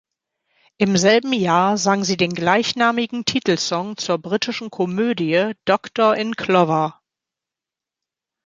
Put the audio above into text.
Im selben Jahr sang sie den gleichnamigen Titelsong zur britischen Komödie "Doctor in Clover".